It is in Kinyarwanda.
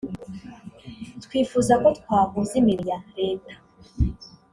Twifuza ko twahuza imirimo ya Leta